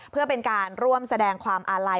เพื่อเป็นการร่วมแสดงความอาลัย